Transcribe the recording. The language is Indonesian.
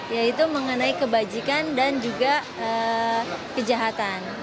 yaitu mengenai kebajikan dan juga kejahatan